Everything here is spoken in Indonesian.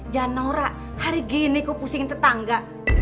jangan norak hari gini kok pusingin tetangga